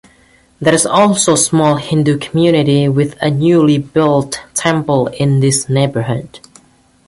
There is also small Hindu community with a newly built Temple in this neighborhood.